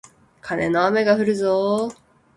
カネの雨がふるぞー